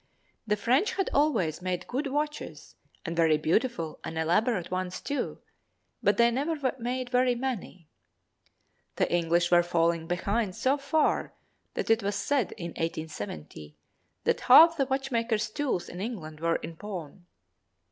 The French had always made good watches and very beautiful and elaborate ones too, but they never made very many. The English were falling behind so far that it was said, in 1870, that half the watchmakers' tools in England were in pawn.